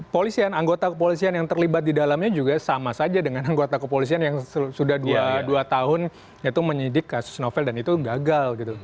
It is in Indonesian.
polisian anggota kepolisian yang terlibat di dalamnya juga sama saja dengan anggota kepolisian yang sudah dua tahun yaitu menyidik kasus novel dan itu gagal gitu